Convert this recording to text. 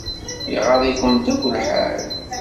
Iɣaḍ-ikunt akk lḥal.